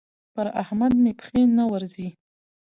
پر احمد مې پښې نه ورځي.